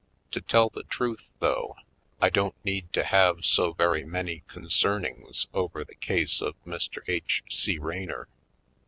To tell the truth, though, I don't need to have so very many concern ings over the case of Mr. H. C. Raynor.